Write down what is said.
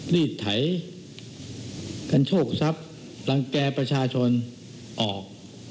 รีดไถกันโชคทรัพย์รังแก่ประชาชนออก